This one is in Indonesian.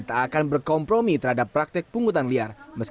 tak akan berkompromi terhadap praktek pungutan liar